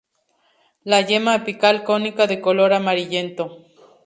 La yema apical cónica de color amarillento.